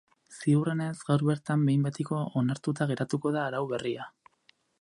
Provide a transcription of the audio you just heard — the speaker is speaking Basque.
Ziurrenez, gaur bertan behin betiko onartuta geratuko da arau berria.